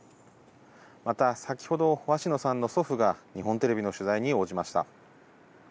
また先ほど、鷲野さんの祖父が日本テレビの取材に応じました。